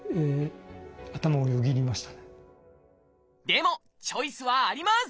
でもチョイスはあります！